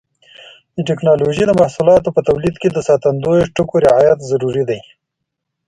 د ټېکنالوجۍ د محصولاتو په تولید کې د ساتندویه ټکو رعایت ضروري دی.